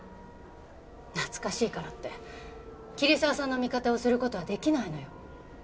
懐かしいからって桐沢さんの味方をする事はできないのよ。